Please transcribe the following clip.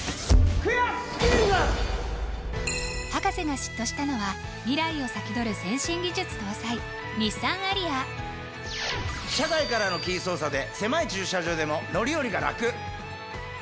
博士が嫉妬したのは未来を先取る先進技術搭載日産アリア車外からのキー操作で狭い駐車場でも乗り降りがラク！